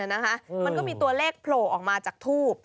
มันก็มีตัวเลขโผล่ออกมาจากทูบ